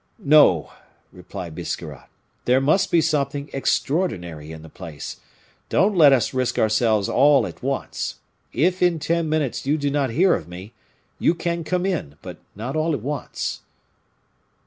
"No," replied Biscarrat, "there must be something extraordinary in the place don't let us risk ourselves all at once. If in ten minutes you do not hear of me, you can come in, but not all at once."